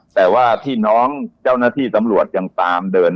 แต่ว่าที่น้องเจ้าหน้าที่ตำรวจยังตามเดิน